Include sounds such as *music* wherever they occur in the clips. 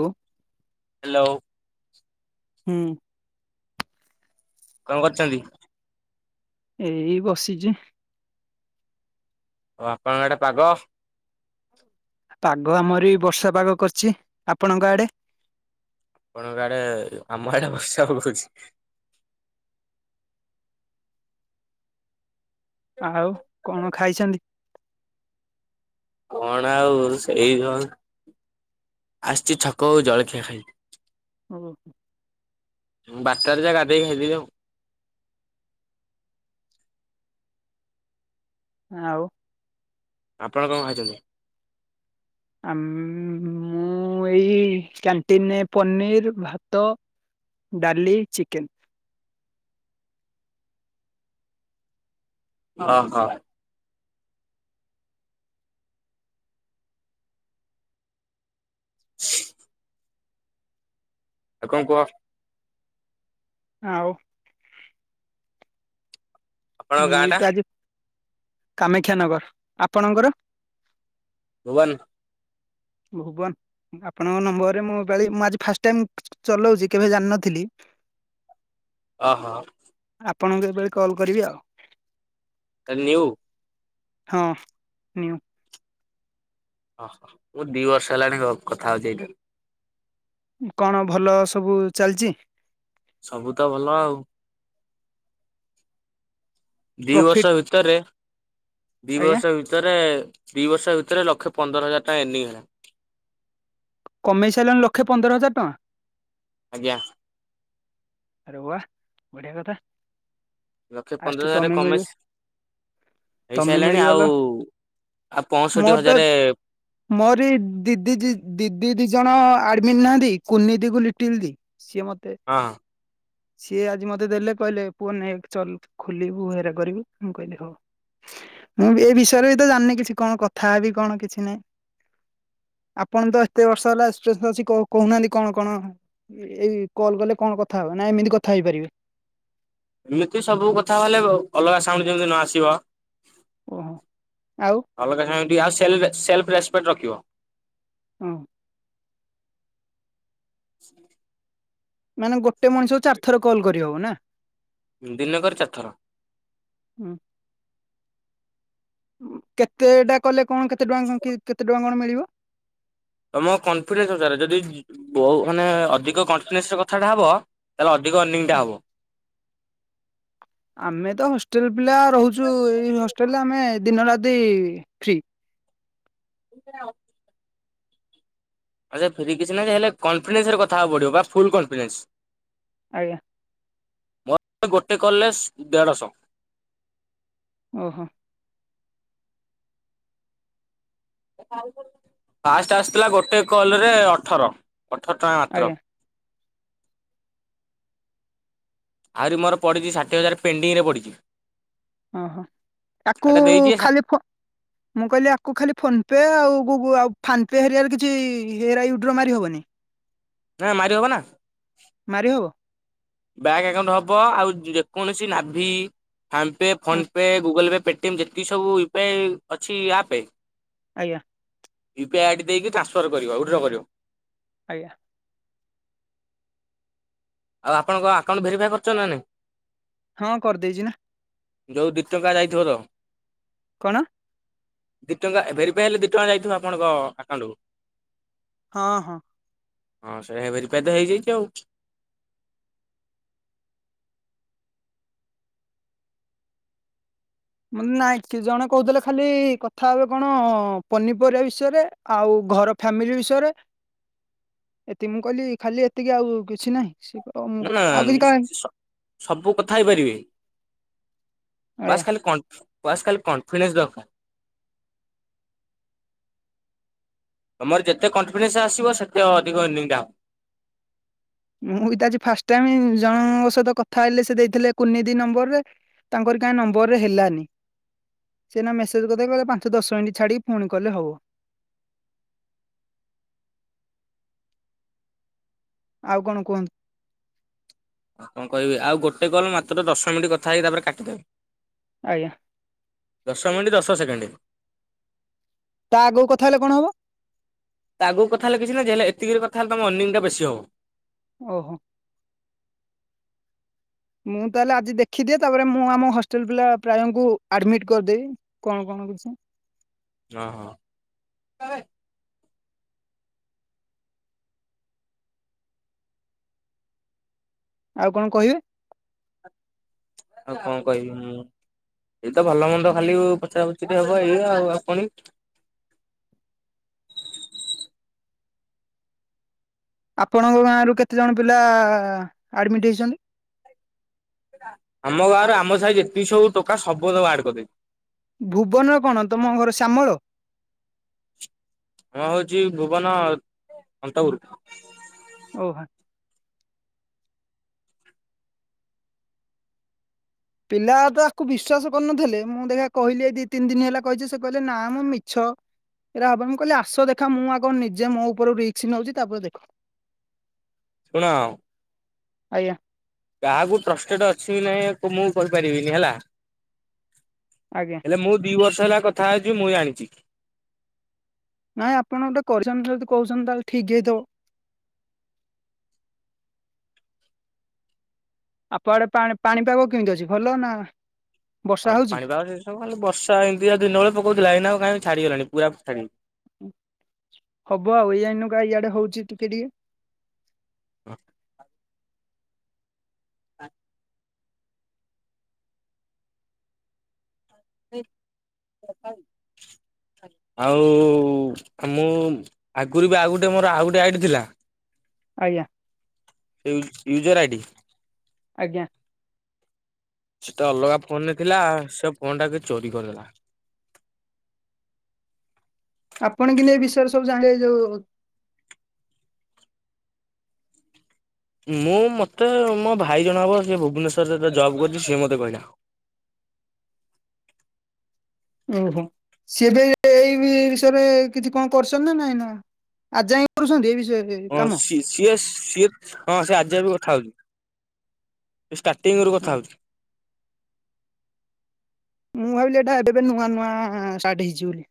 ଓ hello. ହୁଁ। କଣ କରୁଚନ୍ତି? ଏଇ ବସିଚି। ଆଉ ଆପଣଙ୍କ ଆଡେ ପାଗ? ପାଗ ଆମର ଏଇ ବର୍ଷା ପାଗ କରିଚି। ଆପଣଙ୍କ ଆଡେ? ଆପଣଙ୍କ ଆଡେ ଆମ ଆଡେ ବର୍ଷା ହୋଉଚି। ଆଉ କଣ ଖାଇଚନ୍ତି? କଣ ଆଉ ସେଇ କ ଆସିଛି ଛକକୁ ଜଳଖିଆ ଖାଇ। ହଁ ହଁ। ବାରଟାରେ ଯା ଗାଧୋଇ ଖାଇଦେବି ଆଉ। ହ ଆଉ। ଆପଣ କଣ ଖାଇଛନ୍ତି? ଆ ମୁଁ ଏଇ କ୍ୟାଣ୍ଟିନେ ପନିର୍ ଭାତ ଡାଲି ଚିକେନ୍। ହ ହଁ। ଶ। ଆଉ କଣ କୁହ। ଆଉ। ଆପଣଙ୍କ ମୁଁ ଗାଁ ଟା ଆଜି କାମାକ୍ଷାନଗର ଆପଣଙ୍କର? ଭୁନ୍। ଭୁବନ। ଆପଣଙ୍କ ନମ୍ବରରେ ମୁଁ ମୁଁ ଆଜି ଫାଷ୍ଟ ଟାଇମ ଚଲାଉଛି କେବେ ଜାଣିନଥିଲି। ଓ ହୋ। ଆପଣଙ୍କୁ ଏବେଳି କଲ୍ କରିବି ଆଉ। ତ ନିନ୍ୟଉ। ହଁ। ଓହୋ ମୁ ଦି ବର୍ଷ ହେଲାଣି କଥା ହଉଛି ଏଇଥିରେ। କଣ ଭଲ ସବୁ ଚାଲିଛି? ସବୁ ତ ଭଲ ଆଉ। ଦି ପ୍ରଫିଟ ବର୍ଷ ଭିତରେ। ଦି ଆଜ୍ଞା ବର୍ଷ ଭିତ ଭିତରେ ଦି ବର୍ଷ ଭିତରେ ଲକ୍ଷେ ପନ୍ଦର ହଜାର ଟଙ୍କା ଏନିଂ ହେଲା। କମେଇ ସାରିଲାଣି ଲକ୍ଷେ ପନ୍ଦର ହଜାର ଟଙ୍କା। ଆଜ୍ଞା। ଆରେଆ ବଢିଆ କଥା। ଲକ୍ଷେ ଆଷ୍ଟ ପନ୍ଦର ହଜାରରେ ତମେ ମିଳିବ କମେଇସ ତମେ ହେଇସାରିଲାଣି। ମିଳିଗଲ ଆଉ ଆଉ ପଞ୍ଚଷଠି ତ ହଜାର ମୋର ଦିଦି ଦିଦି ଦି ଜଣ ଆଡମିଟ ନାହାନ୍ତି, କୁନି ଦି କୁ ଲିଟିଲିି ଦି। ସିଏ ମତେ ହଁ। ସିଏ ଆଜି ମତେ ଦେଲେ କହିଲେ ପୁଅ ନାଇ ଚଲ ଖୋଲିବୁ ହେରା କରିବୁ, ମୁଁ କହିଲି ହଉ। ମୁଁ ଏ ବିଷୟରେ ବି ତ ଜାଣିନି କିଛି କଣ କଥାବ କଣ କିଛି ନାହିଁ। ଆପଣ ତ ଏତେ ବର୍ଷ ହେଲା ଏ ଅଛି କହୁନାହାନ୍ତି କଣ କଣ ଏଇ କଲ୍ ଗଲେ କଣ କଥା ହବା, ନା ଏମିତି କଥା ହେଇପାରିବେ? ଏମିତି ସବୁ କଥା ହେଲେ ଅଲଗା ସାଉଣ୍ଡ ଯେମିତି ନ ଆସିବ। ଓହୋ, ଆଉ। ଅଲଗା ସମୟତି ଆଉ ସେ ସେଲ୍ ରେସପେକ୍ଟ ରଖିବ। ହଁ। ମାନେ ଗୋଟେ ମଣିଷକୁ ଚାର ଥର କଲ୍ କରି ହବ ନା? ଦିନକର ଚାରଥର। ହୁଁ। କେତେ ଟା କଲେ କଣ କେତେ ଟଙ୍କା କେତେ ଟଙ୍କା କଣ ମିଳିବ? ତମ କନଫିଡେନ୍ସ ଅନୁସାରେ ଯଦି ବହୁ ମାନେ ଅଧିକ କନଫିଡେନ୍ସ ର କଥାଟା ହବ। ତାହେଲେ ଅଧିକ ଅର୍ନିଙ୍ଗ ହବ। ଆମେ ତ ହଷ୍ଟେଲ ପିଲା ରହୁଛୁ ଏଇ ହଷ୍ଟେଲରେ ଆମେ ଦିନ ରାତି ଫ୍ରି। *unintelligible* ଆଛା ଫ୍ରି କିଛି ନାହିଁ ହେଲେ କନ୍ଫିଡେନ୍ସ ରେ କଥା ହବାକୁ ପଡିବ ବା ଫୁଲ କନଫିଡେନ୍ସ। ଆଜ୍ଞା। ମୋର ଗୋଟେ କଲେ ଦେଢଶହ। ଓହୋ। ଫାଷ୍ଟ ଆସିଥିଲା ଗୋଟେ କଲରେ ଅଠର ଅଠର ଟଙ୍କା ଆଜ୍ଞା ମାତ୍ର। ଆହୁରି ମୋର ପଡ଼ିଛି ଷାଠିଏ ହଜାର ପେଡିଂରେ ପଡ଼ିଛି। ଓହୋ ତାକୁ ଏଟା ଦେଇଛି ଖାଲି ଫୋ ମୁଁ କହିଲି ଆକୁ ଖାଲି ଫୋନ ପେ ଆଉ ଗୁଗ ଆଉ ଫାମ ପେ ହେରିକା ରେ କିଛି ୟେ ହେରା ୱିଥଡ୍ର ମାରି ହବନି। ନାଇଁ ମାରି ହବ ନା। ମାରିହବ। ବ୍ୟାଙ୍କ ଆକାଉଣ୍ଟ ହବ ଆଉ ଯେକୌଣସି ନାଭି ଫ୍ୟାମ୍ ପେ ହଁ PhonePe Google Pay pay TM ଯେତିକି ସବୁ ୟୂପିଆଇ ଅଛି ଆପେ ଆଜ୍ଞା। ୟୁପିଆଇ ଆଇଡି ଦେଇକି ଟ୍ରାନସ୍ଫର କରିବ ୱିଡ୍ର କରିବ। ଆଜ୍ଞା। ଆଉ ଆପଣଙ୍କ ଆକାଉଣ୍ଟ ଭେରିଫାଇ କରିଛ ନା ନାଇଁ? ହଁ କରିଦେଇଛି ନା। ଯୋଉ ଦି ଟଙ୍କା ଯାଇଥିବ ତ। କଣ। ଦି ଟଙ୍କା ଭେରି ପାଇ ହେଲେ ଦିଟଙ୍କା ଯାଇଥିବ ଆପଣଙ୍କ ଆକାଉଣ୍ଟକୁ। ହଁ ହଁ। ହଁ ସେଇଅହିଁ ଭେରିପାଏ ତ ହେଇଯାଇଛି ଆଉ। ମାନେ ନାଇଁ କି ଜଣେ କହୁଥିଲେ ଖାଲି କଥା ହେବେ କଣ ପନିପରିବା ବିଷୟରେ। ଆଉ ଘର ଫ୍ୟାମିଲି ବିଷୟରେ। ଏତି ମୁଁ କହିଲି ଖାଲି ଏତିକି ଆଉ କିଛି ନାହିଁ ସେ ମୁଁ ନା ନା ଆଉ କିଛି କ ସବୁ କଥା ହେଇପାରିବେ ଆଜ୍ଞା। ବାସ ଖାଲି କ ବାସ୍ ଖାଲି କନଫିଡେନ୍ସ ଦରକାର। ତମର ଯେତେ କନଫିଡେନ୍ସ ଆସିବ ସେତେ ଅଧିକ ୟେର୍ଣିଂ ଟା ହବ। ମୁଁ ବି ତ ଆଜି ଫାଷ୍ଟ ଟାଇମ ଜଣଙ୍କ ସହିତ କଥା ହେଲି ସେ ଦେଇଥିଲେ କୁନି ଦିଦି ନମ୍ବରରେ। ତାଙ୍କର କାଇଁ ନମ୍ବର ରେ ହେଲାନି। ସେ ଏଇନା ମେସେଜ କରି ଦେଇ କହିଲେ ପାଞ୍ଚ ଦଶ ମିନିଟ ଛାଡ଼ି ପୁଣି କଲେ ହବ। ଆଉ କଣ କୁହନ୍ତୁ। ଆଉ କଣ କହିବି ଆଉ ଗୋଟେ କଲ୍ ମାତ୍ର ଦଶ ମିନିଟ୍ କଥା ହେଇି ତାପରେ କାଟିଦେବେ। ଆଜ୍ଞା। ଦଶ ମିନିଟ ଦଶ ସେକେଣ୍ଡ। ତା ଆଗକୁ କଥା ହେଲେ କଣ ହବ? ତା ଆଗକୁ କଥା ହେଲେ କିଛି ନାହିଁ ଯେ ହେଲେ ଏତିକି କଥା ହେଲେ ତମ ୟର୍ଣିଂ ଟା ବେଶୀ ହବ। ଓହୋ। ମୁଁ ତାହେଲେ ଆଜି ଦେଖିଦିଏ ତାପରେ ମୁଁ ଆମ ହଷ୍ଟେଲ ପିଲା ପ୍ରାୟଙ୍କୁ ଆଡ଼ମିଟ୍ କରିଦେବି। କଣ କଣ କିଛି। ଓ ହଁ। ଆଉ କଣ କହିବେ? ଆଉ କଣ କହିବି ମୁଁ ଏଇତ ଭଲ ମନ୍ଦ ଖାଲି ପଚରା ପଚରି ହବ ଏଇ ଆଉ ଆଉ ପୁଣି। ଆପଣଙ୍କ ଗାଁରୁ କେତେଜଣ ପିଲା ଆଡ଼ମିଟ ହେଇଛନ୍ତି। ଆମ ଗାଁରୁ ଆମ ସାହି ଯେତିକି ସବୁ ଟୋକା ସବୁ ତକ ଆଡ କରିଦେଇଛି। ଭୁବନ କଣ ତମ ଘର ଶ୍ୟାମଳ। ମୁଁ ହଉଛି ଭୁବନ ଅନ୍ତପୁରୁ। ଓହୋ ପିଲା ତ ଆକୁ ବିଶ୍ଵାସ କରୁନଥିଲେ ମୁଁ ଦେଖିଆ କହିଲି ଏ ଦି ତିନି ଦିନ ହେଲା କହିଛି ସେ କହିଲେ ନା ମ ମିଛ। ଏରା ହବ ମୁଁ କହିଲି ଆସ ଦେଖା ମୁଁ ଆଉ କଣ ନିଜେ ମୋ ଉପରୁ ରିକ୍ସ ନେଉଛି ତାପରେ ଦେଖ ଶୁଣ ଆଜ୍ଞା କାହାକୁ ଟ୍ରଷ୍ଟେଡ ଅଛି ବି ନାହିଁ ମୁଁ କହିପାରିବିନି ହେଲା ଆଜ୍ଞା ହେଲେ ମୁଁ ଦି ବର୍ଷ ହେଲା କଥା ହେଇଛି ମୁଁ ଜଣିଛି। ନାଇଁ ଆପଣ ଗୋଟେ କରିଛନ୍ତି ଯଦି କହୁଛନ୍ତି ତାହେଲେ ଠିକ୍ ହେଇଥବ। ଆପ ଆଡେ ପାଣି ପାଣିପାଗ କେମିତି ଅଛି ଭଲ ନା? ବର୍ଷା ଆଉ ହଉଛି? ପାଣିପାଗ ସମିତିସବୁ ଖାଲି ବର୍ଷା ଦିଆ ଦିନ ବେଳ ପକାଉଥିଲା କହିଁ ଛାଡିଗଲାଣି ପୁରା ଛା ହବ ଆଉ ଏଇଆଇନୁ ଇଆଡେ ହଉଛି ଟିକେ ଟିକେ ହଁ *inaudible* *unintelligible* ଆଉ ମୁଁ ଆଗରୁ ବି ଆଉ ଗୋଟେ ମୋର ଆଉ ଗୋଟେ ଆଇଡ଼ ଥିଲା। ଆଜ୍ଞା ୟୁ ୟୁଜର ଆଇ ଡି ଆଜ୍ଞା ସେଟା ଅଲଗା ଫୋନରେ ଥିଲା ସେ ଫୋନ୍ ଟା କିଏ ଚୋରି କରିଦେଲା। ଆପଣ କିନ୍ତୁ ଏ ବିଷୟରେ ସବୁ ଜାଣିବେ ଯୋଉ ମୁଁ ମୋତେ ମୋ ଭାଇ ଜଣେ ହେବ ସେ ଭୁବନେଶ୍ବରରେ ଜବ୍ କରିଛି ସିଏ ମୋତେ କହିଲା। ଓହୋ ସିଏ ବି ଏଇ ବିଷୟରେ କିଛି କଣ କରସନ୍ ନା ନାଇଁ ନା ଅଜିଯାଇ କରୁଛନ୍ତି ଏ ବିଷୟରେ ହଁ କାମ? ସିଏ ସିଏ ହଁ ସିଏ ଆଜି ବି କଥା ହଉଛି। ଷ୍ଟାର୍ଟିଂରୁ କଥା ହଉଛି। ମୁଁ ଭାବିଲି ଏଇଟା ଏବେ ନୂଆ ନୂଆ ଷ୍ଟାର୍ଟ ହେଇଛି ବୋଲି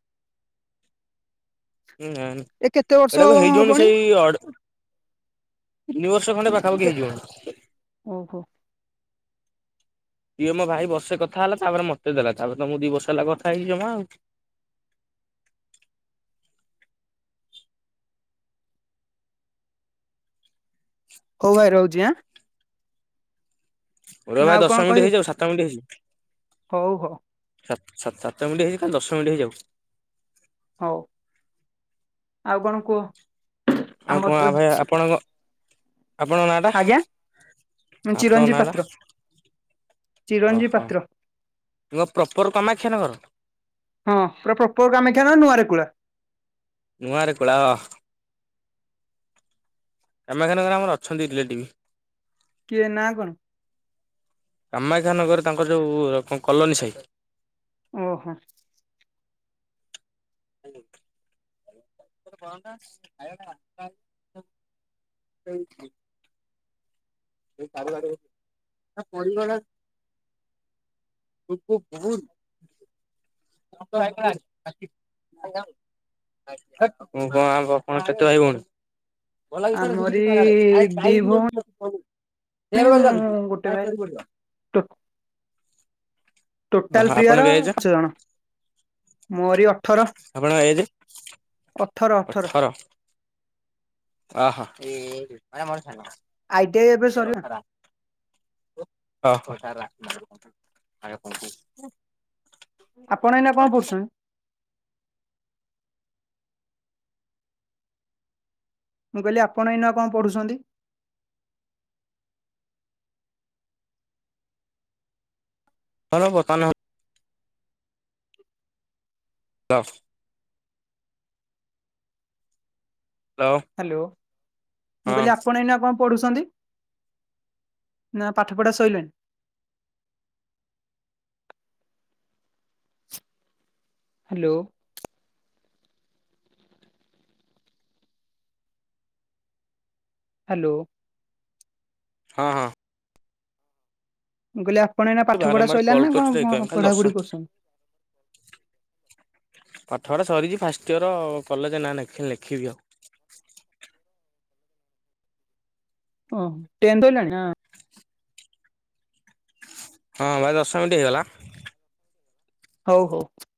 ହୁଁ ନା ନା ଏ କେତେ ବର୍ଷ ଏଇଟାକୁ ହେଇଯିବନି ହବଣି? ଏଇ ଆଡ୍ ତିନି ବର୍ଷ ଖଣ୍ଡ ପାଖାପାଖି ହେଇଯିବନି। ଓହୋ ଏ ମୋ ଭାଇ ବସେ କଥା ହେଲା ତାପରେ ମତେ ଦେଲା ତାପରେ ତ ମୁଁ ଦି ବର୍ଷ ହେଲା କଥା ହେଇଛିି ଜମା ଆଉ କୋଉ ଭାଇ ରହୁଛି ଆଁ ରୁହ ନା ଭାଇ ଆଉ କଣ ଦଶ ମିନିଟ୍ କହିବେ ହେଇଯିବ ଆଉ ସାତ ମିନିଟ୍ ହେଇଚି ହଉ ହଉ ସାତ ସାତ ସାତ ମିନଟ୍ ହେଇଛି ଖାଲି ଦଶ ମିନିଟ ହେଇଯାଉ। ହଉ ଆଉ କଣ କୁହ ଆଉ ଆମର କଣ ତ ଭାଇ ଆପଣଙ୍କ ଆପଣଙ୍କ ନାଁ ଟା ଆଜ୍ଞା ଆପଣଙ୍କ ନାଁ ଚିରଞ୍ଜୀବ ଟା ପାତ୍ର। ଚିରଞ୍ଜୀବ ଓହୋ। ପାତ୍ର। ନୂଆ ପ୍ରପର କାମାକ୍ଷା ନଗର ହଁ ପୁରା ପ୍ରପର କାମାକ୍ଷା ନା ନୂଆରେ ରେକୂଳା ନୂଆ ରେକୁଳା। କାମାଖ୍ୟା ନଗରରେ ଆମର ଅଛନ୍ତି ରିଲେଟିଭ୍। ଇଏ ନାଁ କଣ? କାମାକ୍ଷାନଗରରେ ତାଙ୍କର ଯେଉଁ କଲୋନୀ ସାହି। ଓହୋ। *inaudible* *unintelligible* *unintelligible* *unintelligible* *unintelligible* କଣ ହବ ଆମରି *unintelligible* ଦି ଭଉଣୀ *unintelligible* ସେବେ ମୁଁ ଗୋଟେ ଭାଇ *unintelligible* ଟୋଟାଲ ପ୍ରିୟର ପାଞ୍ଚ ଜଣ ମୋରି ଅଠର। ଆପଣଙ୍କ ଏଜ୍? ଅଠର ଅଠର। ଓହୋ କି *unintelligible* ଆଇ ଟି ଆଇ ଏବେ ସରିବ। *unintelligible* ଆପଣ ଏଇନା କଣ କରୁଛନ୍ତି? ମୁଁ କହିଲି ଆପଣ ଏଇନା କଣ ପଢୁଛନ୍ତି? *unintelligible* ରଫ। ହ୍ୟାଲୋ ମୁଁ ହଁ କହିଲି ଆପଣ ଏଇନା କଣ ପଢ଼ୁଛନ୍ତି ନା ପାଠ ପଢ଼ା ସଇଲାଣି? ହ୍ୟାଲୋ। ହ୍ୟାଲୋ। ହଁ ହଁ। କହିଲେ ଆପଣ ଏଇନା ପାଠ ପଢା ବାରମ୍ବାର କଲ୍ ସରିଲାଣି ନା କରୁଛି ତ ଏଇଥିପାଇଁ କଣ ଖାଲି ଦଶ ପଢାପଢି କରୁଛନ୍ତି? ପାଠପଢ଼ା ସରିକି ଫାଷ୍ଟ ଇୟର କଲେଜ ନାଁ ନେଖା ଲେଖିବି ଆଉ। ଓହ ଟେନ୍ଥ ସଇଲାନି? ହଁ ଭାଇ ଦଶ ମିନିଟ୍ ହେଇଗଲା। ହଉ।